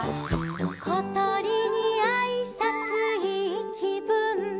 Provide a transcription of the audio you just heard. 「ことりにあいさついいきぶん」